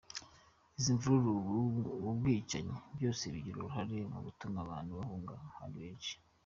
Izi mvururu, ubu bwicanyi, byose bigira uruhare mu gutuma abantu bahunga ari benshi.